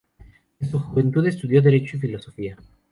En su juventud estudió Derecho y Filosofía.